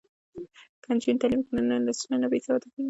که نجونې تعلیم وکړي نو نسلونه نه بې سواده کیږي.